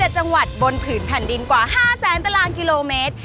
๗๗จังหวัดบนผืนผ่านดินกว่า๕๐๐ตรกิโลเมตร